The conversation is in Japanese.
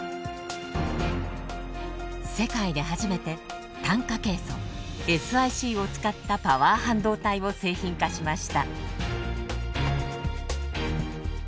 世界で初めて炭化ケイ素ＳｉＣを使ったパワー半導体を製品化しました。